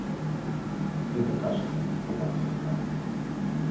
— Это кажется, — сказала сестра.